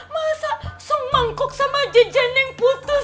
masa semangkok sama jajan yang putus